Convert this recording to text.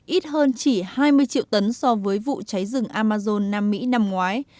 ít hơn chỉ hai mươi triệu tấn so với vụ cháy rừng amazon nam mỹ năm ngoái